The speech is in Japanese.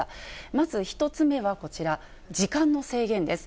まず１つ目はこちら、時間の制限です。